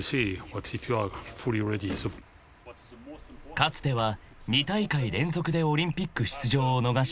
［かつては２大会連続でオリンピック出場を逃した日本］